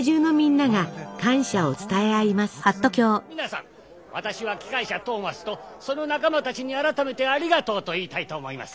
皆さん私は機関車トーマスとその仲間たちに改めて「ありがとう」と言いたいと思います。